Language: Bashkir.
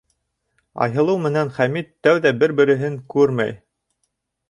Айһылыу менән Хәмит тәүҙә бер-береһен күрмәй.